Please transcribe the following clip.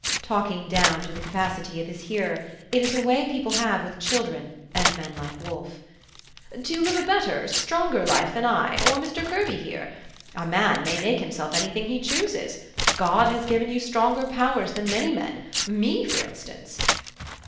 (talking down to the capacity of his hearer: it is a way people have with children, and men like Wolfe,) "to live a better, stronger life than I, or Mr. Kirby here? A man may make himself anything he chooses. God has given you stronger powers than many men, me, for instance."